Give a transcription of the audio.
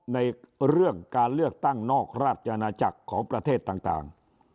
ในเรื่องการเลือกตั้งนอกราชอาณาจักรของประเทศต่าง